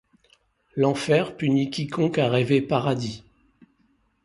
L'enfer punit quiconque a rêvé paradis.